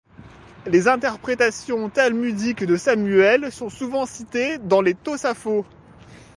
Les interprétations talmudiques de Samuel sont souvent citées dans les tossafot.